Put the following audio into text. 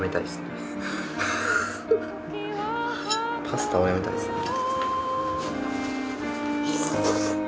パスタをやめたいですね。